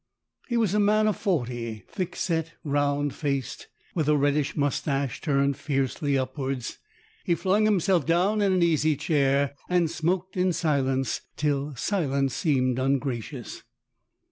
He was a man of forty, thick set, round faced, with a reddish moustache turned fiercely upwards. He flung himself down in an easy chair, and smoked in silence till silence seemed ungracious.